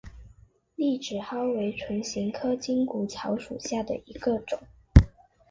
痢止蒿为唇形科筋骨草属下的一个种。